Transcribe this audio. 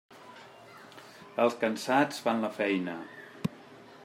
Els cansats fan la feina.